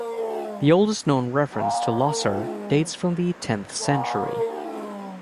The oldest known reference to Losser dates from the tenth century.